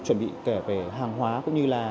chuẩn bị kể về hàng hóa cũng như là